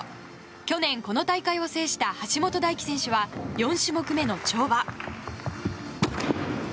去年、この大会を制した橋本大輝選手は４種目目の跳馬。